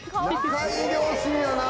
仲いい両親やな。